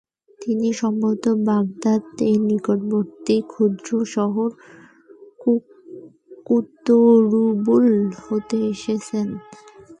তিনি সম্ভবত বাগদাদ এর নিকটবর্তী ক্ষুদ্র শহর কুতরুবুল, হতে এসেছেন।